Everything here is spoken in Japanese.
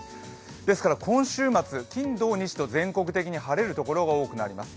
ですから今週末金土日と全国的に晴れる所が多くなります。